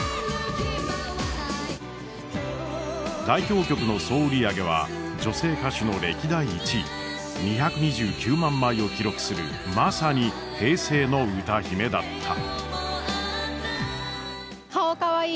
代表曲の総売り上げは女性歌手の歴代１位２２９万枚を記録するまさに平成の歌姫だった。